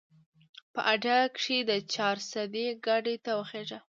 په اډه کښې د چارسدې ګاډي ته وخېژه